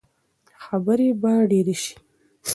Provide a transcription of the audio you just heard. خبرې به ډېرې شي.